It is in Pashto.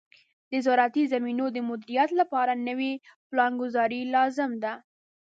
د زراعتي زمینو د مدیریت لپاره نوې پلانګذاري لازم ده.